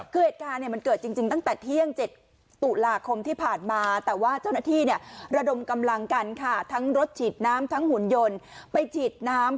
คือเหตุการณ์เนี่ยมันเกิดจริงตั้งแต่เที่ยง๗ตุลาคมที่ผ่านมาแต่ว่าเจ้าหน้าที่เนี่ยระดมกำลังกันค่ะทั้งรถฉีดน้ำทั้งหุ่นยนต์ไปฉีดน้ำ